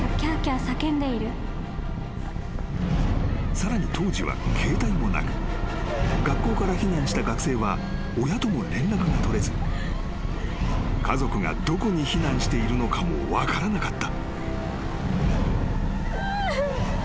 ［さらに当時は携帯もなく学校から避難した学生は親とも連絡が取れず家族がどこに避難しているのかも分からなかった］